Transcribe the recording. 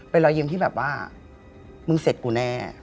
เป็นรอยยิ้มที่แบบว่ามึงเสร็จกูแน่